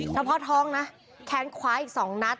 แล้วพอท้องนะแขนขวาอีก๒นัด